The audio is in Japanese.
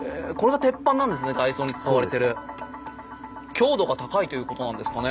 強度が高いということなんですかね。